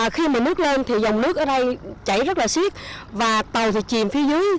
khi mà nước lên thì dòng nước ở đây chảy rất là siết và tàu thì chìm phía dưới